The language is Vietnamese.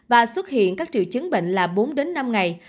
và xuất hiện các triệu chứng bệnh là bốn đến năm ngày